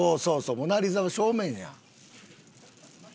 『モナ・リザ』は正面や。